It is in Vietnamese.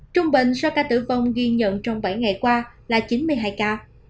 trung bình số ca tử vong ghi nhận trong bảy ngày qua là chín mươi hai ca